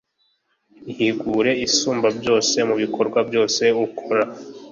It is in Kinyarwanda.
Uhigure Isumbabyose mu bikorwa byose ukora